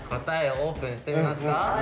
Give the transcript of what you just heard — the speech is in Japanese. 答えオープンしてみますか。